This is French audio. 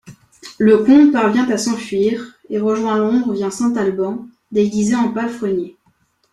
Le comte parvient à s'enfuir et rejoint Londres via St Albans, déguisé en palefrenier.